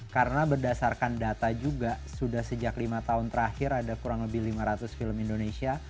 karena berdasarkan data juga sudah sejak lima tahun terakhir ada kurang lebih lima ratus film indonesia